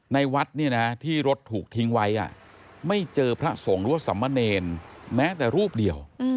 ในวัดที่รถถูกทิ้งไว้ไม่เจอพระสงฆ์รัวสำมะเนญแม้แต่รูปเดียว